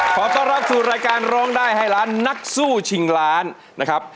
ขอต้อนรับสู่รายการร้องได้ให้ล้านนักสู้ชิงล้านนะครับ